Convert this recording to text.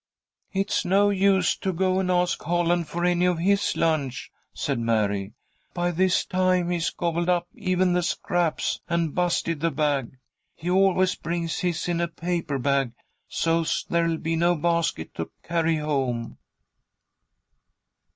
"It's no use to go and ask Holland for any of his lunch," said Mary. "By this time he's gobbled up even the scraps, and busted the bag. He always brings his in a paper bag, so's there'll be no basket to carry home."